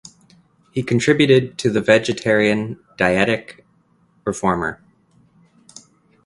He contributed to the vegetarian "Dietetic Reformer".